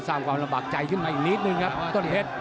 สร้างความระบากใจขึ้นมาอีกนิดนึงครับต้นเพชร